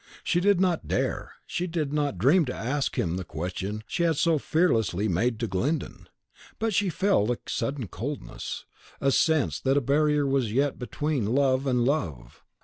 She did not dare, she did not dream to ask him the question she had so fearlessly made to Glyndon; but she felt a sudden coldness, a sense that a barrier was yet between love and love.